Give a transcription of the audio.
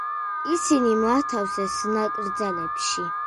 ისინი მოათავსეს ნაკრძალებში.